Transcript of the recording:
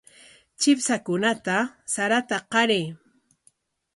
Chipshakunata sarata qaray.